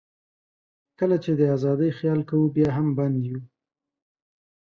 کله چې د آزادۍ خیال کوو، بیا هم بند یو.